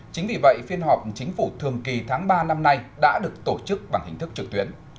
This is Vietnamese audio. chính vì vậy phiên họp chính phủ thường kỳ tháng ba năm nay đã được tổ chức bằng hình thức trực tuyến